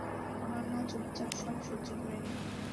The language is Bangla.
আমার মা চুপচাপ সব সহ্য করে নেয়।